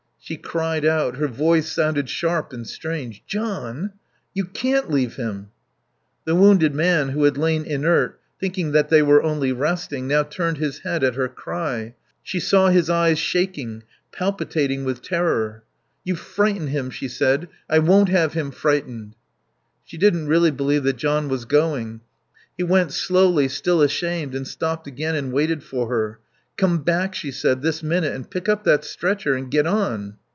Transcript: She cried out her voice sounded sharp and strange "John ! You can't leave him." The wounded man who had lain inert, thinking that they were only resting, now turned his head at her cry. She saw his eyes shaking, palpitating with terror. "You've frightened him," she said. "I won't have him frightened." She didn't really believe that John was going. He went slowly, still ashamed, and stopped again and waited for her. "Come back," she said, "this minute, and pick up that stretcher and get on."